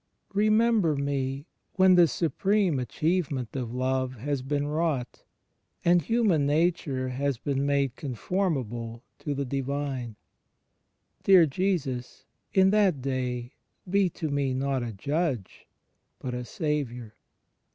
Remember me, when the supreme achievement of love has been wrought, and Human Nature has been made conform able to the Divine. ... Dear Jesus, in that day be to me not a Judge, but a Saviour!"